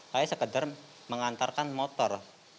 saya sekedar mengantarkan motor